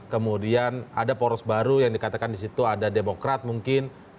kemudian ada poros baru yang dikatakan di situ ada demokrat mungkin